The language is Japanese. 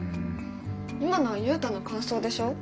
今のはユウタの感想でしょ。